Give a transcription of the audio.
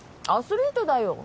アスリートだよ